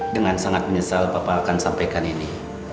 dengan sangat menyesal bapak akan sampaikan ini